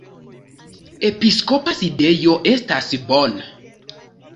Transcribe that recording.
Episkopa sidejo estas Bonn.